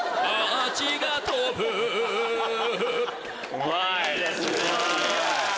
うまい！